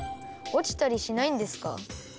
おちたりしないんですか？